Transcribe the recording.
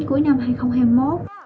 cuối năm hai nghìn hai mươi một